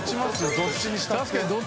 どっちにしたって。